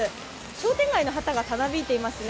商店街の旗がたなびいてますね。